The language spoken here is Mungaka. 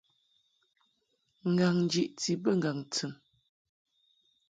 Ngaŋ jiʼti bə ŋgaŋ tɨn.